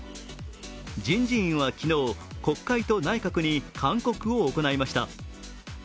人事院は昨日、国会と内閣に勧告を行いました。